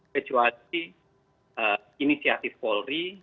kecuali inisiatif polri